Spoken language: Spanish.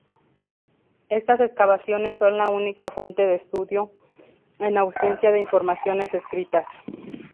Estas excavaciones son la única fuente de estudio, en ausencia de informaciones escritas.